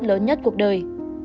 lớn nhất cuộc đời